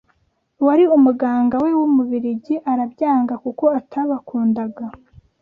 uwari umuganga we w’umubiligi arabyanga kuko atabakundaga.”